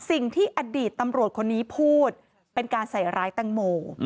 สิ่งที่อดีตตำรวจคนนี้พูดเป็นการใส่ร้ายแตงโม